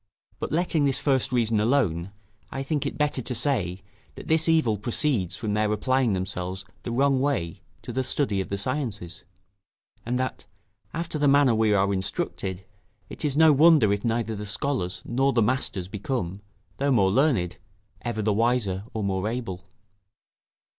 But letting this first reason alone, I think it better to say, that this evil proceeds from their applying themselves the wrong way to the study of the sciences; and that, after the manner we are instructed, it is no wonder if neither the scholars nor the masters become, though more learned, ever the wiser, or more able.